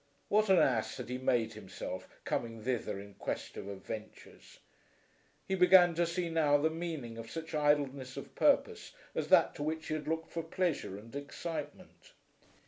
What an ass had he made himself, coming thither in quest of adventures! He began to see now the meaning of such idleness of purpose as that to which he had looked for pleasure and excitement.